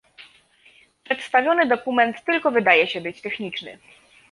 Przedstawiony dokument tylko wydaje się być techniczny